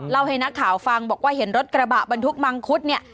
ให้นักข่าวฟังบอกว่าเห็นรถกระบะบรรทุกมังคุดเนี่ย